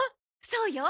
そうよ。